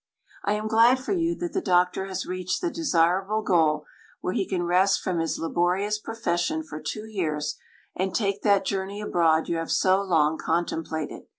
I am glad for you that the doctor has reached the desirable goal where he can rest from his laborious profession for two years, and take that journey abroad you have so long contemplated.